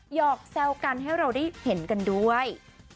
หอกแซวกันให้เราได้เห็นกันด้วย